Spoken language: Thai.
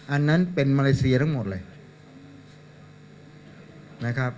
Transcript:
อันนั้นเป็นมาเลเซียทั้งหมดเลย